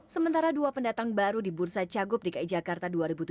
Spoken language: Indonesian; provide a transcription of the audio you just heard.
sementara dua pendatang baru di bursa cagup dki jakarta dua ribu tujuh belas